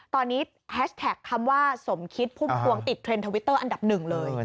ตอนนี้แฮชแท็กคำว่าสมคิดพุ่มพวงติดเทรนดทวิตเตอร์อันดับหนึ่งเลย